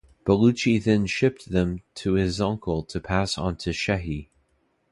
Baluchi then shipped them to his uncle to pass onto Shehhi.